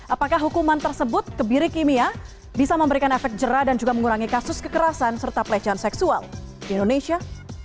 apakah hukuman tersebut kebiri kimia bisa memberikan efek jerah dan juga mengurangi kasus kekerasan serta pelecehan seksual di indonesia